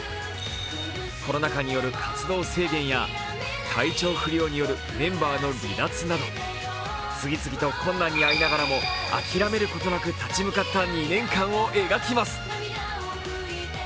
コロナ禍による活動制限や体調不良によるメンバーの離脱など、次々と困難に遭いながらも諦めることなく立ち向かった２年間を描きます。